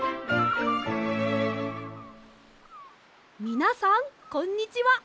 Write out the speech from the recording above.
みなさんこんにちは。